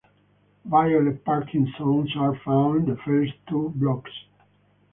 Violet parking zones are found in the first two blocks.